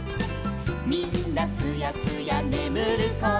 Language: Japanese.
「みんなすやすやねむるころ」